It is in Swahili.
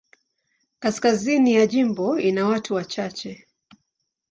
Kaskazini ya jimbo ina watu wachache.